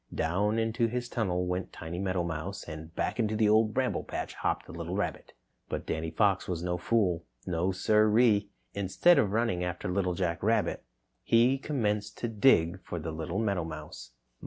Down into his tunnel went Timmy Meadowmouse and back into the Old Bramble Patch hopped the little rabbit. But Danny Fox was no fool. No, sir e e! Instead of running after Little Jack Rabbit, he commenced to dig for the little meadowmouse.